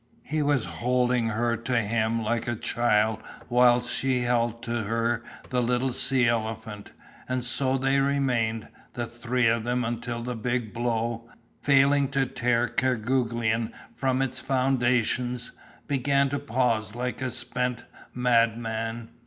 He was holding her to him like a child whilst she held to her the little sea elephant, and so they remained, the three of them until the big blow, failing to tear Kerguelen from its foundations, began to pause like a spent madman.